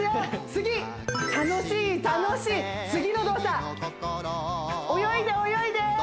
次楽しい楽しい次の動作泳いで泳いで！